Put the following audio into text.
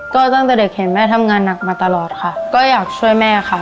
ก็ตั้งแต่เด็กเห็นแม่ทำงานหนักมาตลอดค่ะก็อยากช่วยแม่ค่ะ